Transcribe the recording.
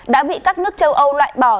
đã bị các nước châu âu loại bỏ